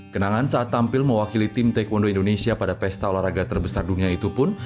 kenangan saat tampil mewakili tim taekwondo indonesia pada pesta olahraga terbesar dunia itu pun